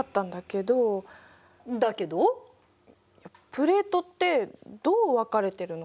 プレートってどう分かれてるのかなって。